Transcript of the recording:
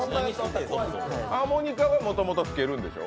ハーモニカが、もともと吹けるんでしょ？